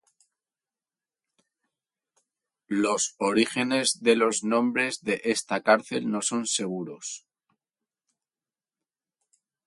Los orígenes de los nombres de esta cárcel no son seguros.